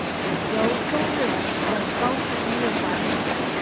由中日本高速公路管理。